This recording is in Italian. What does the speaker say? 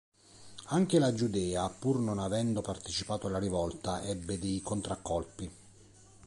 Anche la Giudea, pur non avendo partecipato alla rivolta, ebbe dei contraccolpi.